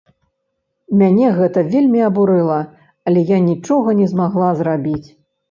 Мяне гэта вельмі абурыла, але я нічога не змагла зрабіць.